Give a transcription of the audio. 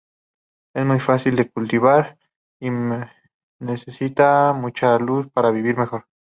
Es muy fácil de cultivar y necesita mucha luz para vivir, mejor.